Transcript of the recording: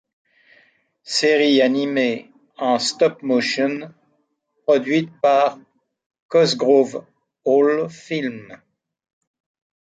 Série animée en stop-motion produite par Cosgrove Hall Films.